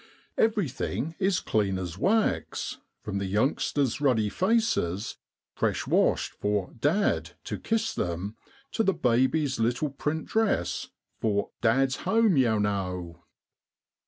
Everything is clean as wax, from the youngsters' ruddy faces, fresh washed for ( dad ' to kiss them, to the baby's little print dress, for ' Dad's home, yew know